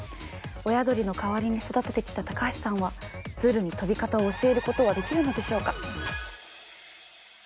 親鳥の代わりに育ててきた高橋さんはツルに飛び方を教えることはできるのでしょうか？